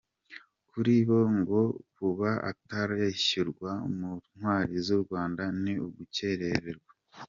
Kuri bo ngo kuba atarashyirwa mu Ntwari z’u Rwanda ni ugucyererwa.